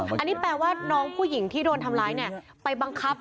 อันนี้แปลว่าน้องผู้หญิงที่โดนทำร้ายเนี่ยไปบังคับ